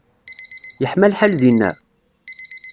Yeḥma lḥal dinna?